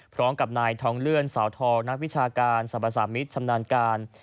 พร้อมกับนายทองเลื่อนสาวทองนักวิชาการสรรพสามิตรชำนาญการ